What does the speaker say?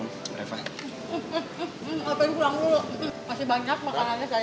ngapain pulang dulu masih banyak makanannya saya